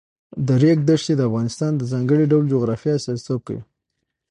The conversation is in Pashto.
د ریګ دښتې د افغانستان د ځانګړي ډول جغرافیه استازیتوب کوي.